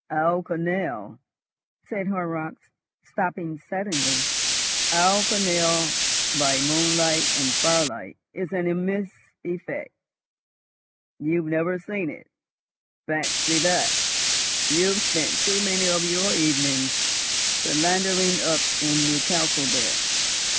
"Our canal," said Horrocks, stopping suddenly. "Our canal by moonlight and firelight is an immense effect. You've never seen it? Fancy that! You've spent too many of your evenings philandering up in Newcastle there.